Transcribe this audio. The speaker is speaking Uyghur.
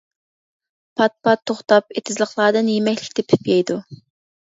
پات-پات توختاپ ئېتىزلىقلاردىن يېمەكلىك تېپىپ يەيدۇ.